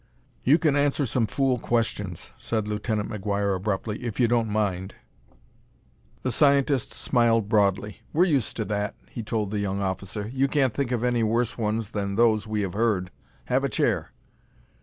"You can answer some fool questions," said Lieutenant McGuire abruptly, "if you don't mind." The scientist smiled broadly. "We're used to that," he told the young officer; "you can't think of any worse ones than those we have heard. Have a chair."